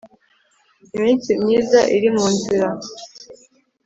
iminsi myiza iri mu nzira